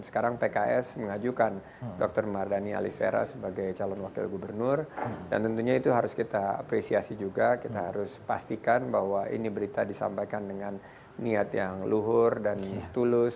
sekarang pks mengajukan dr mardhani alisera sebagai calon wakil gubernur dan tentunya itu harus kita apresiasi juga kita harus pastikan bahwa ini berita disampaikan dengan niat yang luhur dan tulus